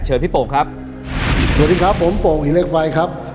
พี่โป่งครับสวัสดีครับผมโป่งหินเล็กวัยครับ